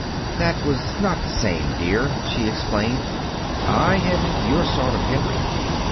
"That was not the same, dear," she explained. "I hadn't your sort of Henry.